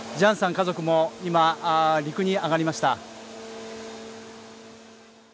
家族も今陸に上がりました。